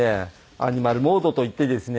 アニマルモードといってですね